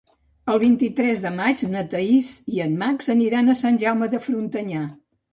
El vint-i-tres de maig na Thaís i en Max aniran a Sant Jaume de Frontanyà.